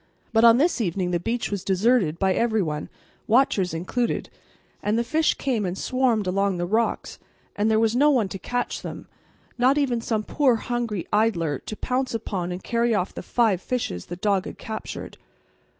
But on this evening the beach was deserted by every one, watchers included, and the fish came and swarmed along the rocks, and there was no one to catch them not even some poor hungry idler to pounce upon and carry off the five fishes the dog had captured.